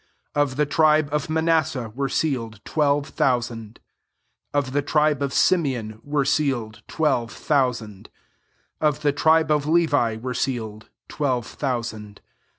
Of the tribe of Manasseh [were sealed} twelve thousand. r Of the tribe of Simeon [were ttaleif] twelve thousand* c5f the tribe of Levi Iwere sealed} twelve thousand.